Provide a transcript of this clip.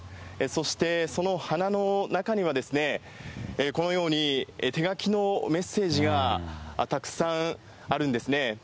そしてその花の中には、このように手書きのメッセージがたくさんあるんですね。